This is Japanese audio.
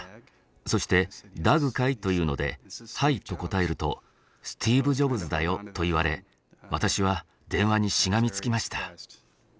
そして「ダグかい？」と言うので「はい」と答えると「スティーブ・ジョブズだよ」と言われ私は電話にしがみつきました。